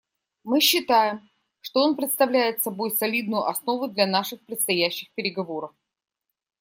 Мы считаем, что он представляет собой солидную основу для наших предстоящих переговоров.